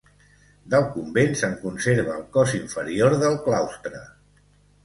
Del convent, se'n conserva el cos inferior del claustre.